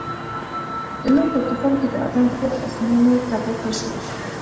د نوح په طوفان کې د آدم کور اسمانو ته پورته شو.